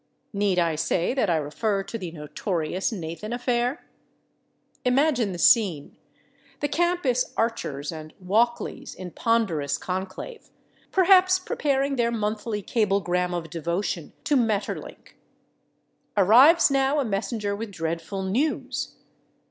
Need I say that I refer to the notorious Nathan affair? Imagine the scene: the campus Archers and Walkleys in ponderous conclave, perhaps preparing their monthly cablegram of devotion to Maeterlinck. Arrives now a messenger with dreadful news.